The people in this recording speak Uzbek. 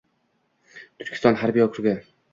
Turkiston harbiy okrugi